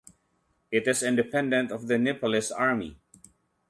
It is independent of the Nepalese Army.